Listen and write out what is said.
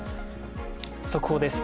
速報です